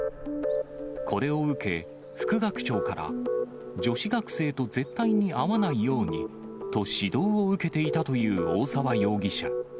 これを受け、副学長から、女子学生と絶対に会わないようにと指導を受けていたという大沢容疑者。